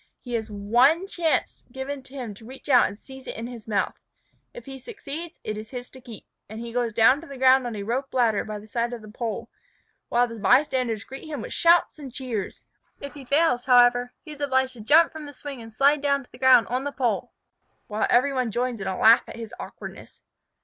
He has one chance given him to reach out and seize it in his mouth. If he succeeds, it is his to keep, and he goes down to the ground on a rope ladder by the side of the pole, while the bystanders greet him with shouts and cheers. If he fails, however, he is obliged to jump from the swing and slide down to the ground on the pole, while every one joins in a laugh at his awkwardness.